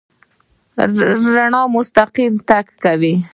رڼا مستقیم تګ کوي.